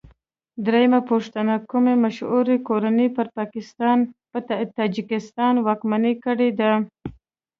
درېمه پوښتنه: کومو مشهورو کورنیو پر تاجکستان واکمني کړې ده؟